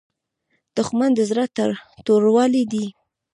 دښمن د زړه توروالی دی